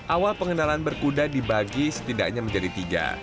awal pengenalan berkuda dibagi setidaknya menjadi tiga